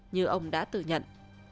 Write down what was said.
như ông đã tự nhận